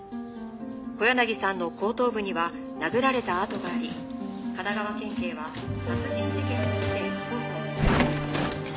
「小柳さんの後頭部には殴られた痕があり神奈川県警は殺人事件として」